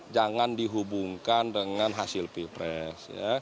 jangan dihubungkan dengan hasil pilpres